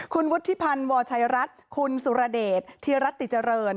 คุณวุฒิพันธ์วชัยรัฐคุณสุรเดชธีรัตติเจริญ